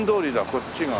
こっちが。